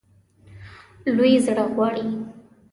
لوی زړه غواړي.